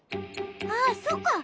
ああそっか。